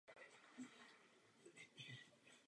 V této době bouře také dosáhla své největší intenzity.